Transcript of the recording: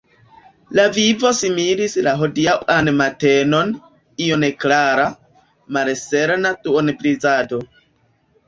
La vivo similis la hodiaŭan matenon – io neklara, malserena duonblizardo.